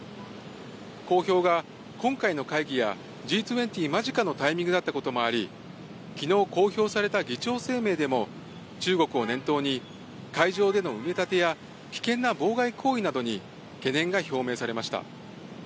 公表が、今回の会議やＧ２０間近のタイミングだったこともあり、きのう、公表された議長声明でも、中国を念頭に、海上での埋め立てや危険な妨害行為などに懸念が表明されました。